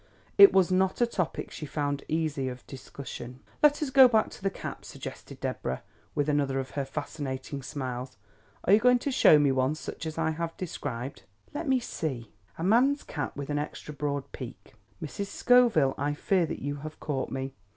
It was not a topic she found easy of discussion. "Let us go back to the cap," suggested Deborah, with another of her fascinating smiles. "Are you going to show me one such as I have described?" "Let me see. A man's cap with an extra broad peak! Mrs. Scoville, I fear that you have caught me.